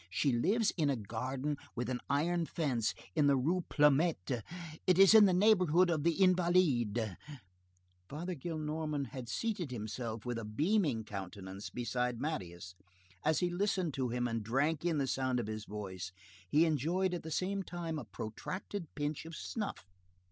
She lives in a garden with an iron fence, in the Rue Plumet. It is in the neighborhood of the Invalides." Father Gillenormand had seated himself, with a beaming countenance, beside Marius. As he listened to him and drank in the sound of his voice, he enjoyed at the same time a protracted pinch of snuff.